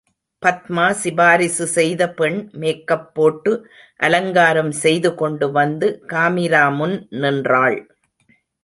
பத்மா சிபாரிசு செய்த பெண் மேக்கப்போட்டு அலங்காரம் செய்து கொண்டு வந்து காமிரா முன் நின்றாள்.